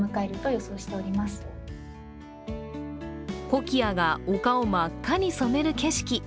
コキアが丘を真っ赤に染める景色。